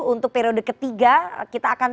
untuk periode ketiga kita akan